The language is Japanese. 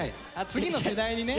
次の世代にね。